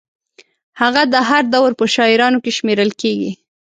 هغه د هر دور په شاعرانو کې شمېرل کېږي.